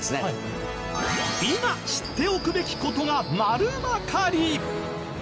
今知っておくべき事が丸わかり